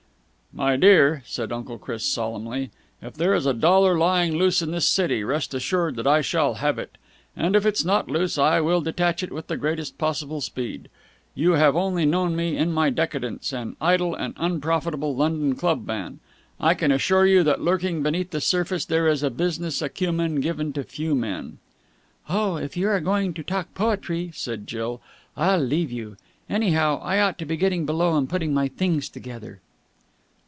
"My dear," said Uncle Chris solemnly, "if there is a dollar lying loose in this city, rest assured that I shall have it! And, if it's not loose, I will detach it with the greatest possible speed. You have only known me in my decadence, an idle and unprofitable London clubman. I can assure you that lurking beneath the surface, there is a business acumen given to few men...." "Oh, if you are going to talk poetry," said Jill, "I'll leave you. Anyhow, I ought to be getting below and putting my things together."